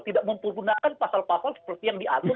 tidak mempergunakan pasal pasal seperti yang diatur